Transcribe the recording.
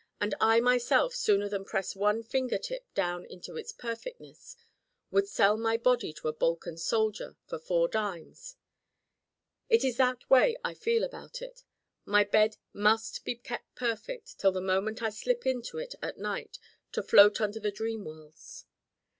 And I myself sooner than press one finger tip down into its perfectness would sell my body to a Balkan soldier for four dimes: it is that way I feel about it. My bed must be kept perfect till the moment I slip into it at night to float under the dream worlds.